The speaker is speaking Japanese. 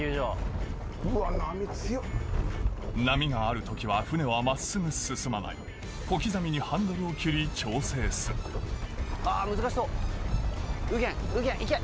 波がある時は船は真っすぐ進まない小刻みにハンドルを切り調整する行け右舷！